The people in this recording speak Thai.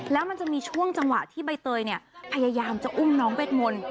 แล้วมันจะมีช่วงจังหวะที่ใบเตยเนี่ยพยายามจะอุ้มน้องเวทมนต์